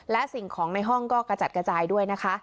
และสิ่งของในห้องก็กระจัดกระจายด้วยนะคะ